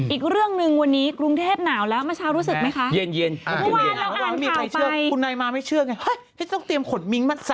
อีกเรื่องหนึ่งวันนี้กรุงเทพหนาวแล้วเมื่อเช้ารู้สึกไหมคะ